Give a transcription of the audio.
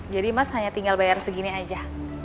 jadi mas hanya tinggal bayar segini aja